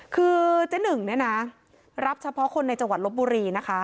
คือเจ๊หนึ่งเนี่ยนะรับเฉพาะคนในจังหวัดลบบุรีนะคะ